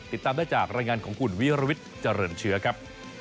ติดตามได้จากรายงานของคุณวิรวิทย์เจริญเชื้อครับ